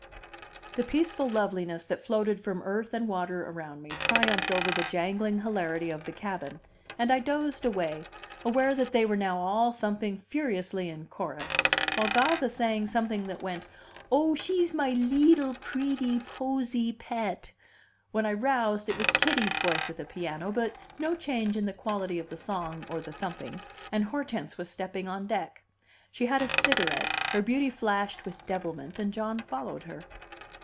The peaceful loveliness that floated from earth and water around me triumphed over the jangling hilarity of the cabin, and I dozed away, aware that they were now all thumping furiously in chorus, while Gazza sang something that went, "Oh, she's my leetle preety poosee pet." When I roused, it was Kitty's voice at the piano, but no change in the quality of the song or the thumping; and Hortense was stepping on deck. She had a cigarette, her beauty flashed with devilment, and John followed her.